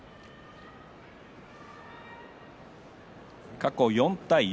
過去４対４。